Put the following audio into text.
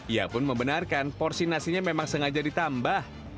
ia pun membenarkan porsi nasinya memang sengaja ditambah